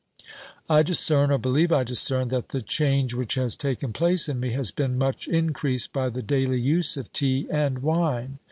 I discern, or believe I discern, that the change which has taken place in me has been much increased by the daily use of tea and wine.